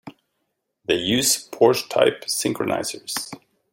They use Porsche-type synchronizers.